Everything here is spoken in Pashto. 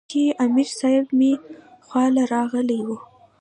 چې امير صېب مې خواله راغلے وۀ -